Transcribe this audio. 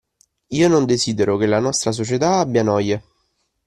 Io non desidero che la nostra Società abbia noie.